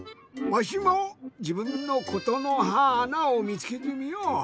わしもじぶんの「ことのはーな」をみつけてみよう。